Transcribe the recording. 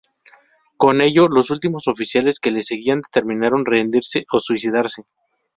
Con ello, los últimos oficiales que le seguían determinaron rendirse o suicidarse.